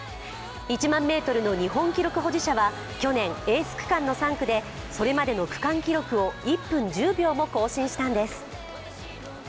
１００００ｍの日本記録保持者は去年エース区間の３区でそれまでの区間記録を１分１０秒も更新したんです。